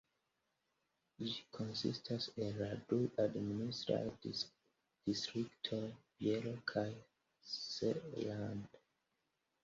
Ĝi konsistas el la du administraj distriktoj Bielo kaj Seeland.